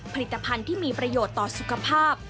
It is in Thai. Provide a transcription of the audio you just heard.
ผลิตภัณฑ์ที่มีประโยชน์ต่อสุขภาพ